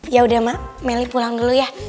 yaudah mak meli pulang dulu ya